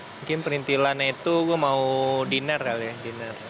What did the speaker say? mungkin perintilannya itu gue mau dinner kali ya dinner